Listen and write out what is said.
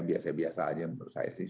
biasa biasa aja menurut saya sih